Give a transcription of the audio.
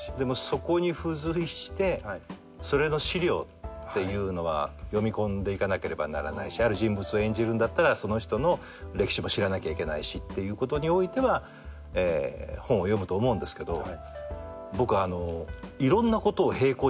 そこに付随してそれの資料っていうのは読み込んでいかなければならないしある人物を演じるんだったらその人の歴史も知らなきゃいけないしっていうことにおいては本を読むと思うんですけど僕。